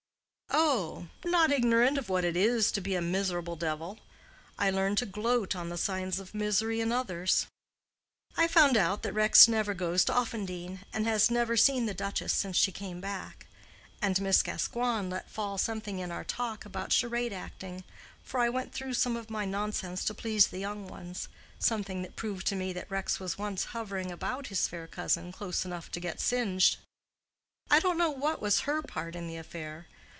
"Oh—not ignorant of what it is to be a miserable devil, I learn to gloat on the signs of misery in others. I found out that Rex never goes to Offendene, and has never seen the duchess since she came back; and Miss Gascoigne let fall something in our talk about charade acting—for I went through some of my nonsense to please the young ones—something that proved to me that Rex was once hovering about his fair cousin close enough to get singed. I don't know what was her part in the affair.